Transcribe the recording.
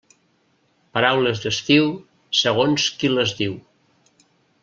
Paraules d'estiu, segons qui les diu.